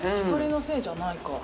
光のせいじゃないか。